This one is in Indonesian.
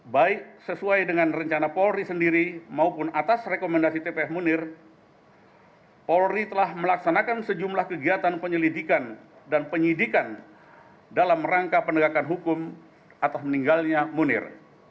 baik sesuai dengan rencana polri sendiri maupun atas rekomendasi tpf munir polri telah melaksanakan sejumlah kegiatan penyelidikan dan penyidikan dalam rangka penegakan hukum atas meninggalnya munir